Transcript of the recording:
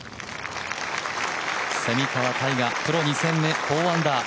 蝉川泰果、プロ２戦目４アンダー。